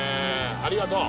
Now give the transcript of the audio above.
ありがとう。